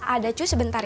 ada cu sebentar ya